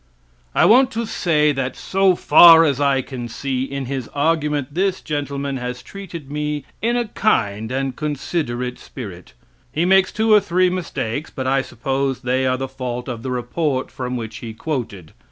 I want to say that, so far as I can see, in his argument this gentleman has treated me in a kind and considerate spirit. He makes two or three mistakes, but I suppose they are the fault of the report from which he quoted.